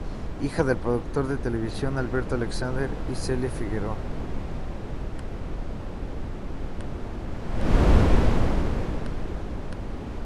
Hija del productor de televisión Alberto Alexander y Celia Figueroa.